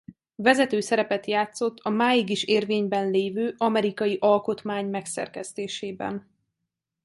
Vezető szerepet játszott a máig is érvényben lévő amerikai alkotmány megszerkesztésében.